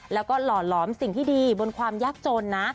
แล้วก็หล่อหลอมสิ่งที่ดีบนความยากจนนะ